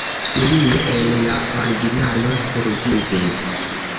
Nenio el la originalo survivis.